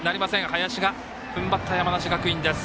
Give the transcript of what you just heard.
林がふんばった、山梨学院です。